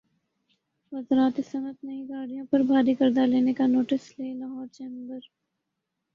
وزارت صنعت نئی گاڑیوں پر بھاری قرضہ لینے کا ںوٹس لے لاہور چیمبر